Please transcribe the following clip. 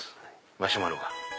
マシュマロが。